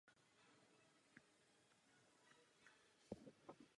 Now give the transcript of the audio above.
Administrativně přináleží do skotské správní oblasti Highland.